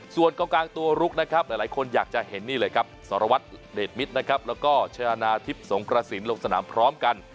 ส่วนกองกลางตัวลุกนะครับหลายคนอยากจะเห็นนี่เลยครับสารวัตรเดชมิตรนะครับแล้วก็ชนะทิพย์สงกระสินลงสนามพร้อมกัน